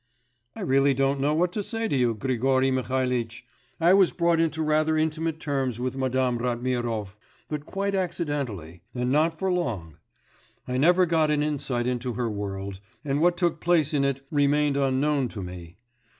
'I really don't know what to say to you, Grigory Mihalitch; I was brought into rather intimate terms with Madame Ratmirov ... but quite accidentally, and not for long. I never got an insight into her world, and what took place in it remained unknown to me.